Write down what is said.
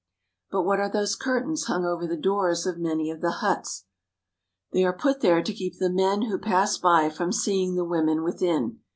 But what are those curtains hung over the doors of many of the huts ? They are put there to keep the men who pass by from seeing the women within.